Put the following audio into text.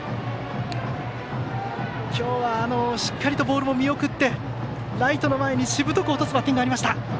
今日はしっかりとボールを見送ってライトの前にしぶとく落とすバッティングがありました。